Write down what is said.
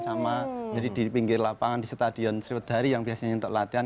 sama jadi di pinggir lapangan di stadion sriwedari yang biasanya untuk latihan